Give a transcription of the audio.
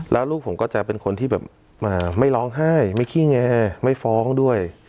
แล้วลูกผมก็จะเป็นคนที่แบบไม่ร้องไห้ไม่ขี้แงไม่ฟ้องด้วย